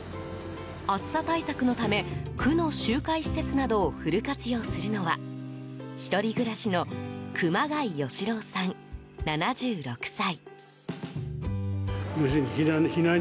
暑さ対策のため区の集会施設などをフル活用するのは１人暮らしの熊谷吉郎さん、７６歳。